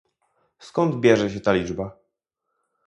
Skąd bierze się ta liczba?